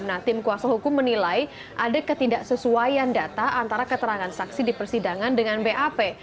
nah tim kuasa hukum menilai ada ketidaksesuaian data antara keterangan saksi di persidangan dengan bap